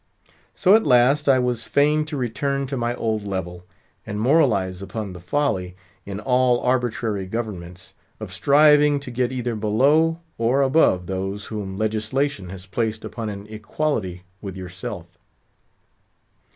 So at last I was fain to return to my old level, and moralise upon the folly, in all arbitrary governments, of striving to get either below or above those whom legislation has placed upon an equality with yourself.